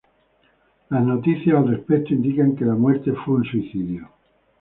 Las noticias al respecto indican que la muerte fue un suicidio.